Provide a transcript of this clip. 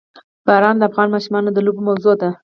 باران د افغان ماشومانو د لوبو موضوع ده.